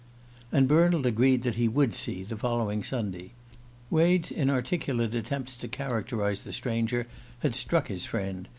And Bernald agreed that he would see, the following Sunday. Wade's inarticulate attempts to characterize the stranger had struck his friend.